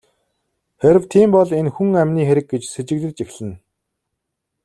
Хэрэв тийм бол энэ хүн амины хэрэг гэж сэжиглэж эхэлнэ.